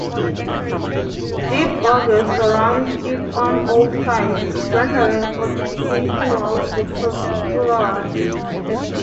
Deep gorges surround it on all sides, rendering fortification walls superfluous.